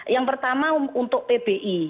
yang pertama untuk pbi